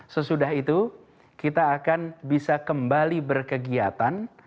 sesudah itu kita akan bisa kembali berkegiatan